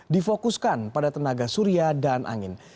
difokuskan pada tenaga surya dan angin